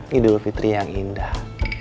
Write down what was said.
hidup fitri yang indah